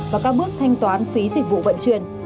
và các bước thanh toán phí dịch vụ vận chuyển